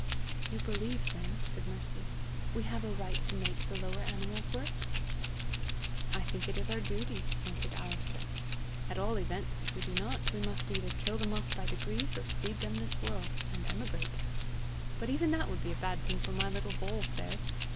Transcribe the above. "You believe, then," said Mercy, "we have a right to make the lower animals work?" "I think it is our duty," answered Alister. "At all events, if we do not, we must either kill them off by degrees, or cede them this world, and emigrate. But even that would be a bad thing for my little bulls there!